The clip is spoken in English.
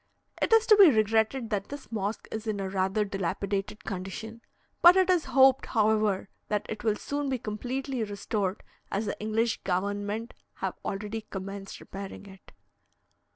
It is to be regretted that this mosque is in a rather dilapidated condition; but it is hoped, however, that it will soon be completely restored, as the English government have already commenced repairing it.